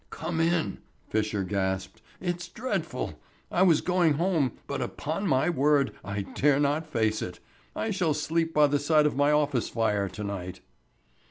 "Come in," Fisher gasped. "It's dreadful. I was going home, but upon my word I dare not face it. I shall sleep by the side of my office fire to night."